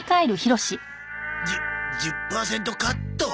じゅ１０パーセントカット！？